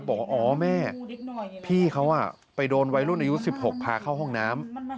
บอกว่าอ๋อแม่พี่เขาไปโดนวัยรุ่นอายุ๑๖พาเข้าห้องน้ำ